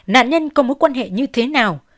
nạn nhân có mối quan hệ như thế nào